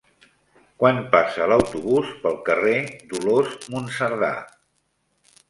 Quan passa l'autobús pel carrer Dolors Monserdà?